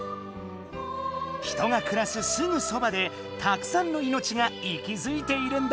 人がくらすすぐそばでたくさんの命が息づいているんだ。